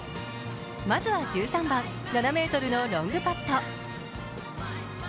まずは１３番、７ｍのロングパット。